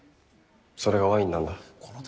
それがワインなんだ。